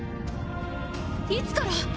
いつから。